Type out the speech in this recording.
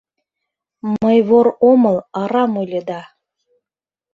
Мый вор омыл, арам ойледа...